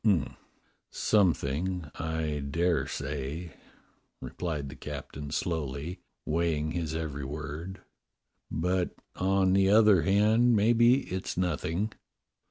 ^" "Something, I dare say," replied the captain slowly, weighing his every word, "but, on the other hand, maybe it's nothing.